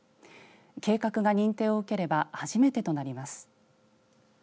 計画が認定を受ければ初めてとなります。